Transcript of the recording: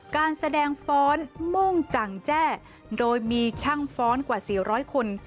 การแสดงฟ้อนโม่งจังแจ้โดยมีช่างฟ้อนกว่า๔๐๐คน